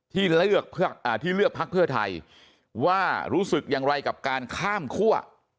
ที่เลือกพักเพื่อไทยว่ารู้สึกอย่างไรกับการข้ามคั่ว